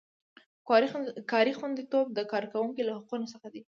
کاري خوندیتوب د کارکوونکي له حقونو څخه دی.